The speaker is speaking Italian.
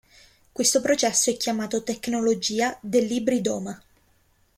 Questo processo è chiamato tecnologia dell'ibridoma.